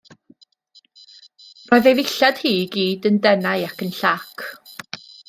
Roedd ei dillad hi i gyd yn denau ac yn llac.